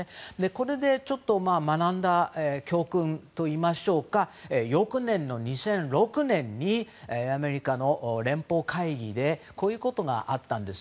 これで学んだ教訓といいますか翌年の２００６年にアメリカの連邦会議でこういうことがあったんです。